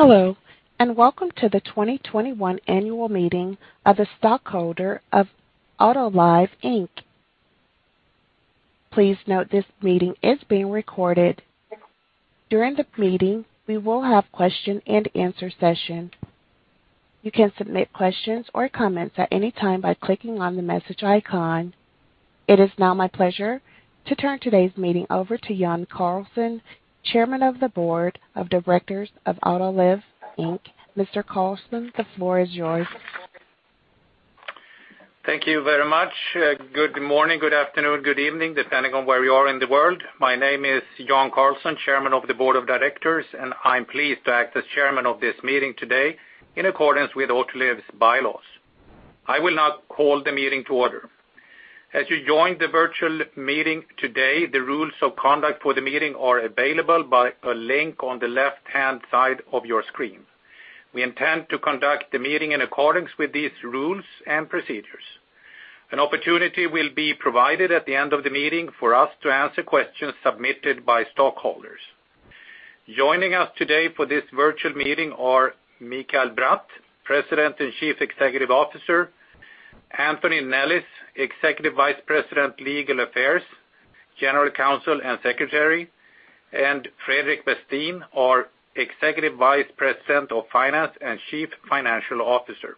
Hello, and welcome to the 2021 Annual Meeting of the Stockholders of Autoliv, Inc. Please note this meeting is being recorded. During the meeting, we will have question and answer session. You can submit questions or comments at any time by clicking on the message icon. It is now my pleasure to turn today's meeting over to Jan Carlson, Chairman of the Board of Directors of Autoliv, Inc. Mr. Carlson, the floor is yours. Thank you very much. Good morning, good afternoon, good evening, depending on where you are in the world. My name is Jan Carlson, Chairman of the Board of Directors, and I'm pleased to act as chairman of this meeting today in accordance with Autoliv's bylaws. I will now call the meeting to order. As you join the virtual meeting today, the rules of conduct for the meeting are available by a link on the left-hand side of your screen. We intend to conduct the meeting in accordance with these rules and procedures. An opportunity will be provided at the end of the meeting for us to answer questions submitted by stockholders. Joining us today for this virtual meeting are Mikael Bratt, President and Chief Executive Officer, Anthony Nellis, Executive Vice President, Legal Affairs, General Counsel, and Secretary, and Fredrik Westin, our Executive Vice President of Finance and Chief Financial Officer.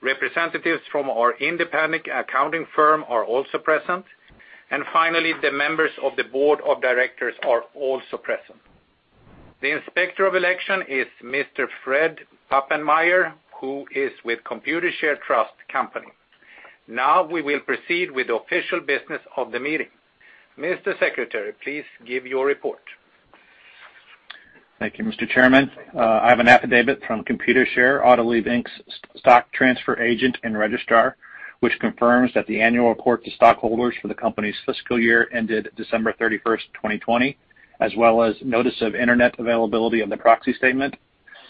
Representatives from our independent accounting firm are also present. Finally, the members of the board of directors are also present. The Inspector of Election is Mr. Fred Papenmeier, who is with Computershare Trust Company. Now we will proceed with the official business of the meeting. Mr. Secretary, please give your report. Thank you, Mr. Chairman. I have an affidavit from Computershare, Autoliv, Inc.'s stock transfer agent and registrar, which confirms that the annual report to stockholders for the company's fiscal year ended December 31st, 2020, as well as notice of Internet availability of the proxy statement.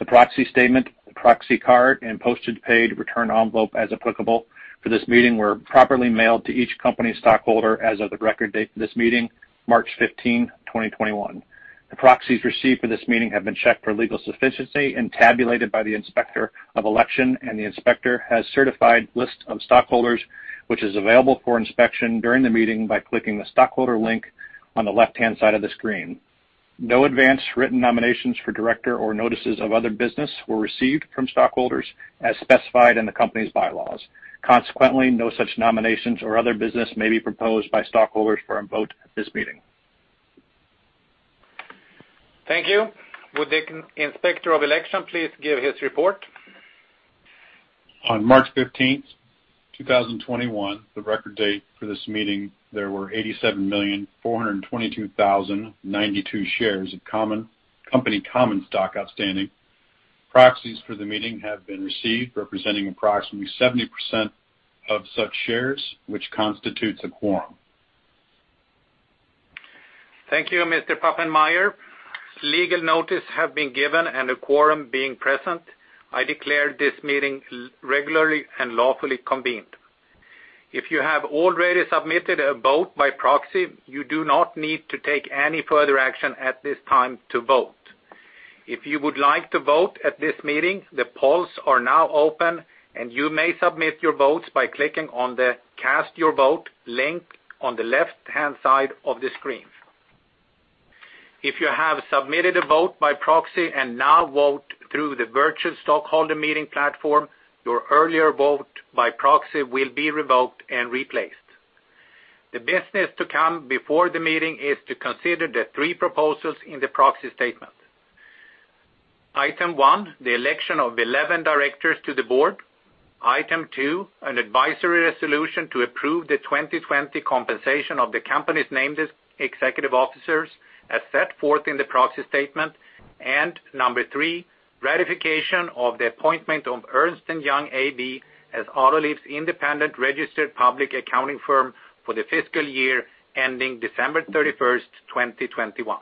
The proxy statement, the proxy card, and postage paid return envelope as applicable for this meeting were properly mailed to each company stockholder as of the record date for this meeting, March 15, 2021. The proxies received for this meeting have been checked for legal sufficiency and tabulated by the Inspector of Election, and the inspector has certified list of stockholders, which is available for inspection during the meeting by clicking the stockholder link on the left-hand side of the screen. No advance written nominations for director or notices of other business were received from stockholders as specified in the company's bylaws. Consequently, no such nominations or other business may be proposed by stockholders for a vote at this meeting. Thank you. Would the Inspector of Election please give his report? On March 15th, 2021, the record date for this meeting, there were 87,422,092 shares of company common stock outstanding. Proxies for the meeting have been received representing approximately 70% of such shares, which constitutes a quorum. Thank you, Mr. Papenmeier. Legal notice have been given and a quorum being present, I declare this meeting regularly and lawfully convened. If you have already submitted a vote by proxy, you do not need to take any further action at this time to vote. If you would like to vote at this meeting, the polls are now open and you may submit your votes by clicking on the Cast Your Vote link on the left-hand side of the screen. If you have submitted a vote by proxy and now vote through the virtual stockholder meeting platform, your earlier vote by proxy will be revoked and replaced. The business to come before the meeting is to consider the three proposals in the proxy statement. Item 1, the election of 11 directors to the board. Item 2, an advisory resolution to approve the 2020 compensation of the company's named executive officers as set forth in the proxy statement. Number 3, ratification of the appointment of Ernst & Young AB as Autoliv's independent registered public accounting firm for the fiscal year ending December 31st, 2021.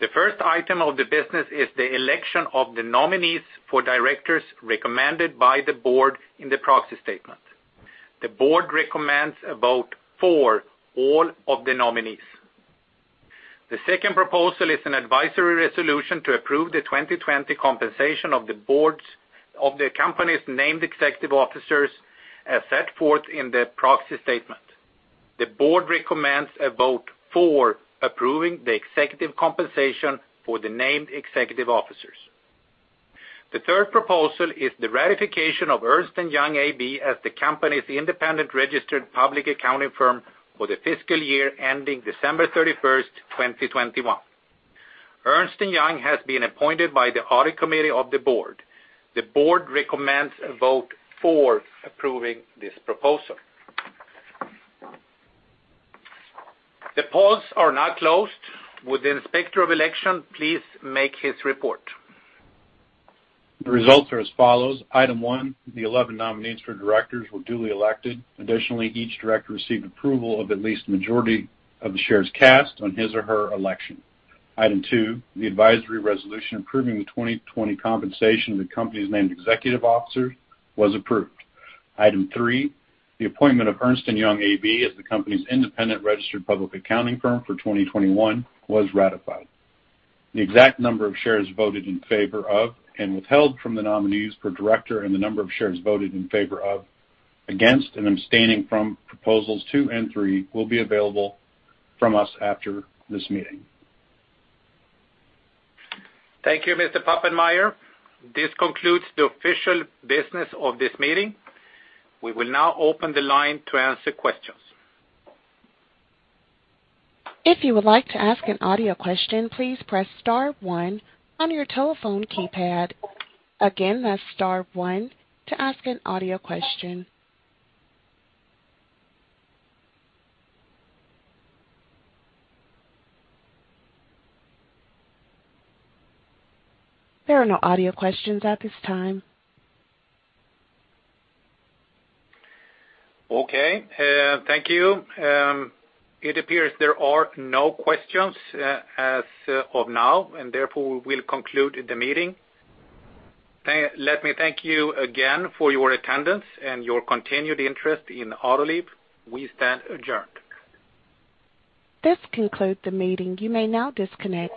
The first item of the business is the election of the nominees for directors recommended by the board in the proxy statement. The board recommends a vote for all of the nominees. The second proposal is an advisory resolution to approve the 2020 compensation of the company's named executive officers as set forth in the proxy statement. The board recommends a vote for approving the executive compensation for the named executive officers. The third proposal is the ratification of Ernst & Young AB as the company's independent registered public accounting firm for the fiscal year ending December 31st, 2021. Ernst & Young has been appointed by the audit committee of the board. The board recommends a vote for approving this proposal. The polls are now closed. Would the Inspector of Election please make his report? The results are as follows. Item 1, the 11 nominees for directors were duly elected. Additionally, each director received approval of at least a majority of the shares cast on his or her election. Item 2, the advisory resolution approving the 2020 compensation of the company's named executive officers was approved. Item 3, the appointment of Ernst & Young AB as the company's independent registered public accounting firm for 2021 was ratified. The exact number of shares voted in favor of and withheld from the nominees for director and the number of shares voted in favor of, against, and abstaining from Proposals 2 and 3 will be available from us after this meeting. Thank you, Mr. Papenmeier. This concludes the official business of this meeting. We will now open the line to answer questions. If you would like to ask an audio question, please press star one on your telephone keypad. Again, that's star one to ask an audio question. There are no audio questions at this time. Okay, thank you. It appears there are no questions as of now, and therefore we will conclude the meeting. Let me thank you again for your attendance and your continued interest in Autoliv. We stand adjourned. This concludes the meeting. You may now disconnect.